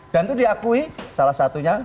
dan itu diakui salah satunya